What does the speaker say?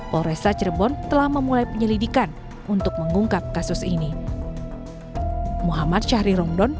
polresa cirebon telah memulai penyelidikan untuk mengungkap kasus ini